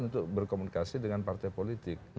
kesulitan itu berkomunikasi dengan partai politik